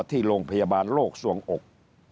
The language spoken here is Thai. ที่โรงพยาบาลโลกส่วงอก